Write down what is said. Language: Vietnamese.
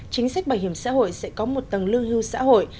chính sách bảo hiểm xã hội sẽ có một tầng lương hưu xã hội